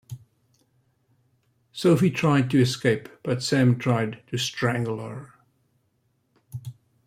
Sophie tried to escape but Sam tried to strangle her.